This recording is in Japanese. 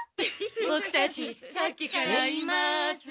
ボクたちさっきからいます。